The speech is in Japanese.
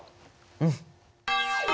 うん！